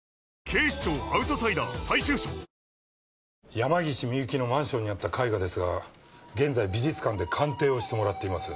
山岸ミユキのマンションにあった絵画ですが現在美術館で鑑定をしてもらっています。